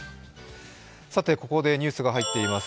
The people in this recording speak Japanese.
ここでニュースが入っています。